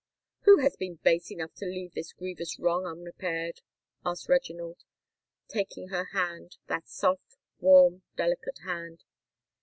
"Who has been base enough to leave this grievous wrong unrepaired?" asked Reginald, taking her hand—that soft, warm, delicate hand.